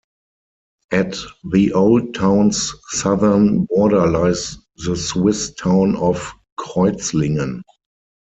At the old town's southern border lies the Swiss town of Kreuzlingen.